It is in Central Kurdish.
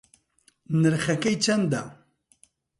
نرخەکەی چەندە